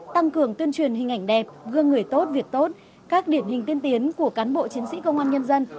tăng cường tuyên truyền hình ảnh đẹp gương người tốt việc tốt các điển hình tiên tiến của cán bộ chiến sĩ công an nhân dân